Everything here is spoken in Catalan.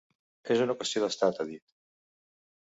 És una qüestió d’estat, ha dit.